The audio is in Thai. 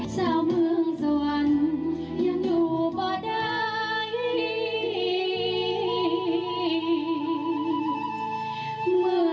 เศร้าเมืองสวรรค์ยังอยู่ป่อดัย